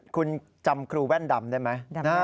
คุณจำครูแว่นดำได้ไหม